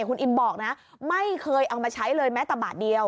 คุณอิมบอกนะไม่เคยเอามาใช้เลยแม้แต่บาทเดียว